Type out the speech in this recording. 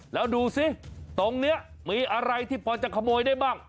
แล้วดูสิตรงนี้มีอะไรที่พอจะขโมยได้บ้าง